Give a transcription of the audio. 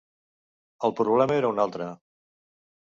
El problema era un altre.